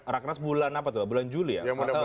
raknas bulan apa tuh bulan juli ya